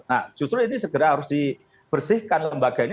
nah justru ini segera harus dibersihkan lembaga ini